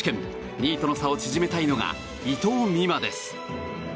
２位との差を縮めたいのが伊藤美誠です。